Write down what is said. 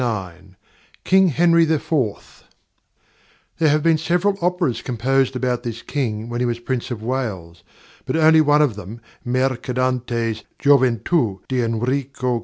KING HENRY IV There have been several operas composed about this King when he was Prince of Wales, but only one of them, +Mercadante's+ _Gioventu di Enrico V.